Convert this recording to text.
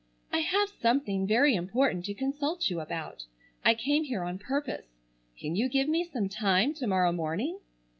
"I have something very important to consult you about. I came here on purpose. Can you give me some time to morrow morning?"